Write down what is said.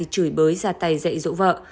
chửi bới ra tay dạy dụ vợ